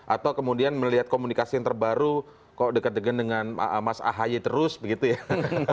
atau kemudian melihat komunikasi yang terbaru kok dekat dekat dengan mas ahaye terus begitu ya